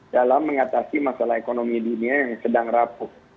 dalam mengatasi masalah ekonomi dunia yang sedang rapuh